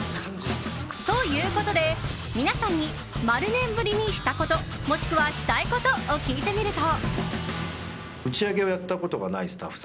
ということで、皆さんに○年ぶりにしたこともしくは、したいことを聞いてみると。